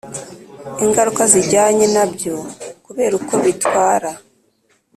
ingaruka zijyanye nabyo kubera uko bitwra